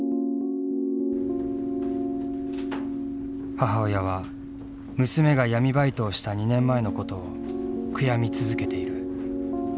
母親は娘が闇バイトをした２年前のことを悔やみ続けている。